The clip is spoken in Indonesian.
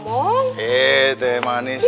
eh eh teh manis